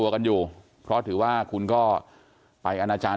เดี๋ยวให้กลางกินขนม